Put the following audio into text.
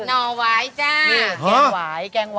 หน่อหวายจ้า